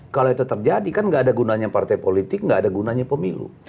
kalau itu terjadi kan nggak ada gunanya partai politik nggak ada gunanya pemilu